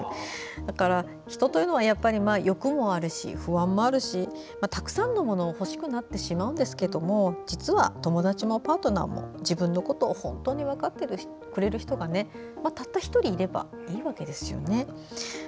だから人というのは欲もあるし不安もあるし、たくさんのものを欲しくなってしまうんですが実は友達もパートナーも自分のことを本当に分かってくれる人がたった１人いればいいわけですよね。